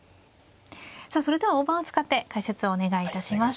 さあそれでは大盤を使って解説をお願いいたします。